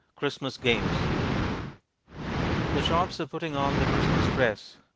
Christmas Games The shops are putting on their Christmas dress.